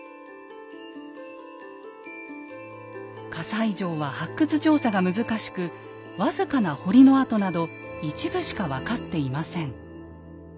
西城は発掘調査が難しく僅かな堀の跡など一部しか分かっていません。